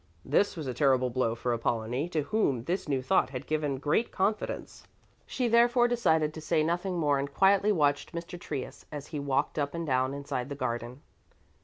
This was a terrible blow for Apollonie, to whom this new thought had given great confidence. She therefore decided to say nothing more and quietly watched Mr. Trius as he walked up and down inside the garden.